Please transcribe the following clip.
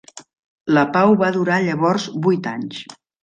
La pau va durar llavors vuit anys.